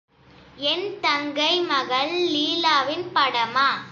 என் தங்கை மகள் லீலாவின் படமா?